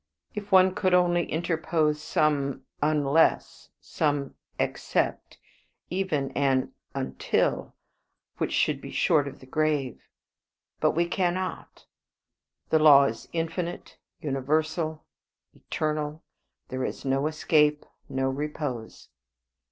If one could only interpose some 'unless,' some 'except,' even an 'until,' which should be short of the grave. But we cannot. The law is infinite, universal, eternal; there is no escape, no repose.